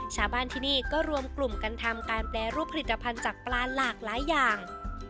ชาวบ้านที่นี่ก็รวมกลุ่มกันทำการแปรรูปผลิตภัณฑ์จากปลาหลากหลายอย่าง